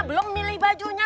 belum milih bajunya